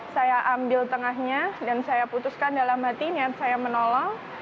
saya ambil tengahnya dan saya putuskan dalam hati niat saya menolong